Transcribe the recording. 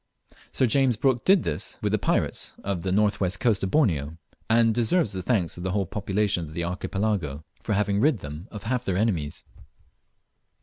Sir James Brooke did this with the pirates of the north west coast of Borneo, and deserves the thanks of the whole population of the Archipelago for having rid them of half their enemies.